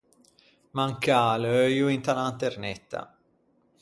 Mancâ l’euio inta lanternetta.